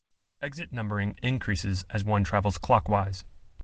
Exit numbering increases as one travels clockwise.